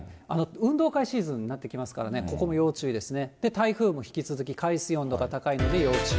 運動会シーズンになってきますからね、ここも要注意ですね。